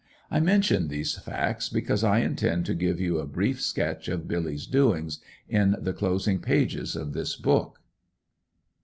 I mention these facts because I intend to give you a brief sketch of Billy's doings, in the closing pages of this book.